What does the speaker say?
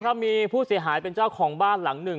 ครับมีผู้เสียหายเป็นเจ้าของบ้านหลังหนึ่ง